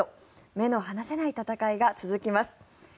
目の離せない戦いが続きます。